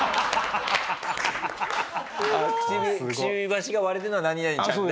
くちばしが割れてるのは何々ちゃんで。